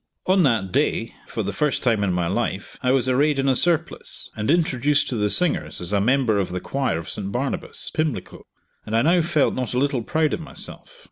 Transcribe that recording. On that day, for the first time in my life, I was arrayed in a surplice, and introduced to the singers as a member of the choir of St. Barnabas, Pimlico; and I now felt not a little proud of myself.